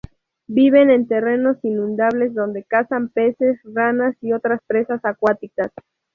Viven en terrenos inundables donde cazan peces, ranas y otras presas acuáticas.